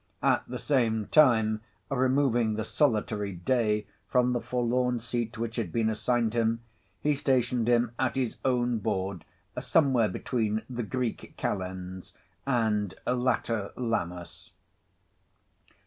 At the same time, removing the solitary Day from the forlorn seat which had been assigned him, he stationed him at his own board, somewhere between the Greek Calends and Latter Lammas.